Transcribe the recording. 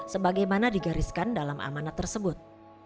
sebagaimana digariskan dalam amanat tersebut